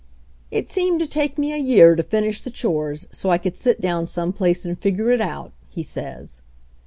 "It seemed to take me a year to finish the chores, so I could sit down someplace and figure it out," he says.